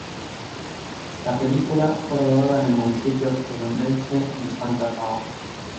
La película fue rodada en el municipio gerundense de Santa Pau.